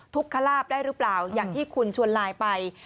ขลาบได้หรือเปล่าอย่างที่คุณชวนไลน์ไป